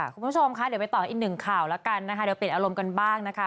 คุณผู้ชมคะเดี๋ยวไปต่ออีกหนึ่งข่าวแล้วกันนะคะเดี๋ยวเปลี่ยนอารมณ์กันบ้างนะคะ